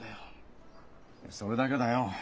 それだけだよ。